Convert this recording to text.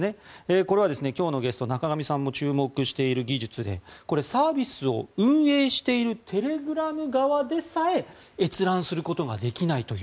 これは、今日のゲスト仲上さんも注目している技術でサービスを運営しているテレグラム側でさえ閲覧することができないという。